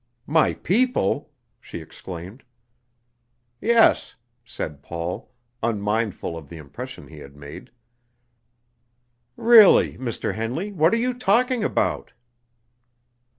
"My people!" she exclaimed. "Yes," said Paul, unmindful of the impression he had made. "Really, Mr. Henley, what are you talking about?"